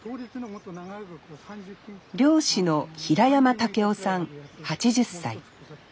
漁師の平山孟夫さん８０歳。